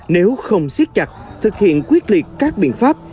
nếu không siết chặt thực hiện quyết liệt các biện pháp